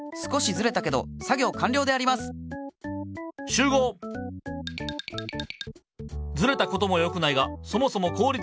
ずれたこともよくないがそもそも効率がすこぶるわるい。